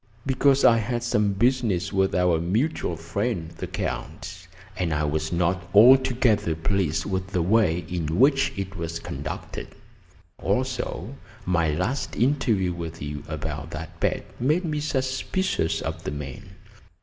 "Because I had some business with our mutual friend, the Count, and I was not altogether pleased with the way in which it was conducted. Also, my last interview with you about that bet made me suspicious of the man.